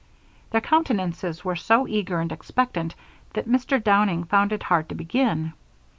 Their countenances were so eager and expectant that Mr. Downing found it hard to begin.